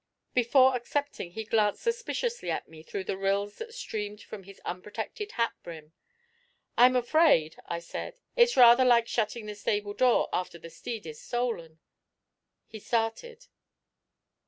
Before accepting he glanced suspiciously at me through the rills that streamed from his unprotected hat brim. 'I'm afraid,' I said, 'it is rather like shutting the stable door after the steed is stolen.' He started.